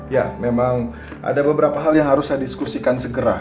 ya memang ada beberapa hal yang harus saya diskusikan segera